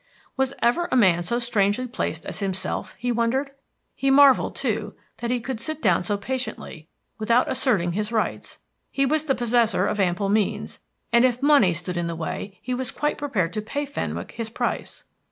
Was ever a man so strangely placed as himself, he wondered? He marvelled, too, that he could sit down so patiently without asserting his rights. He was the possessor of ample means, and if money stood in the way he was quite prepared to pay Fenwick his price.